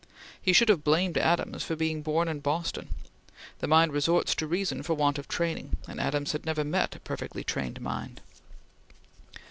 He should have blamed Adams for being born in Boston. The mind resorts to reason for want of training, and Adams had never met a perfectly trained mind.